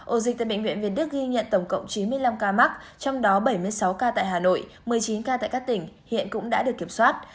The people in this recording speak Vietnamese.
ổ dịch tại bệnh viện việt đức ghi nhận tổng cộng chín mươi năm ca mắc trong đó bảy mươi sáu ca tại hà nội một mươi chín ca tại các tỉnh hiện cũng đã được kiểm soát